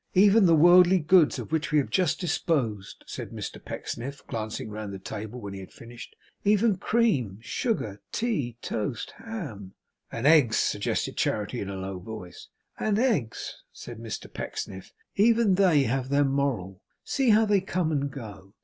'Even the worldly goods of which we have just disposed,' said Mr Pecksniff, glancing round the table when he had finished, 'even cream, sugar, tea, toast, ham ' 'And eggs,' suggested Charity in a low voice. 'And eggs,' said Mr Pecksniff, 'even they have their moral. See how they come and go!